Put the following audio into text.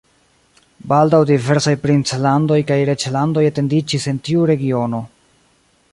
Baldaŭ diversaj princlandoj kaj reĝlandoj etendiĝis en tiu regiono.